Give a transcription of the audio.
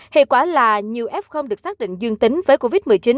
hệ quả là nhiều f được xác định dương tính với covid một mươi chín